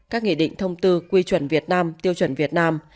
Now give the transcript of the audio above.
các nghị định thông tư quy chuẩn việt nam tiêu chuẩn việt nam